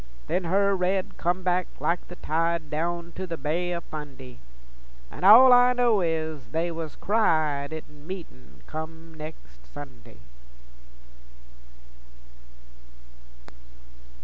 Then her red come back like the tide Down to the Bay o' Fundy, An' all I know is they was cried In meetin' come nex' Sunday.